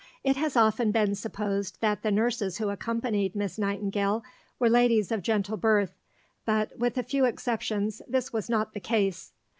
It has often been supposed that the nurses who accompanied Miss Nightingale were ladies of gentle birth, but, with a few exceptions, this was not the case.